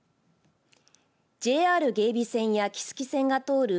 ＪＲ芸備線や木次線が通る